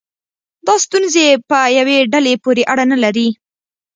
دا ستونزې په یوې ډلې پورې اړه نه لري.